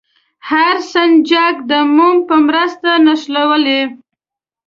هر سنجاق د موم په مرسته ونښلوئ.